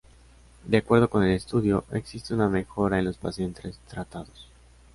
De acuerdo con el estudio, existe una mejora en los pacientes tratados.